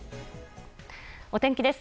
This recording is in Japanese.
お天気です。